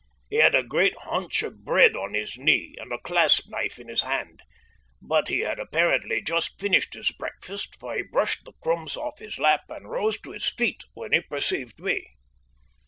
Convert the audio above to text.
He had a great hunk of bread on his knee and a clasp knife in his hand, but he had apparently just finished his breakfast, for he brushed the crumbs off his lap and rose to his feet when he perceived me.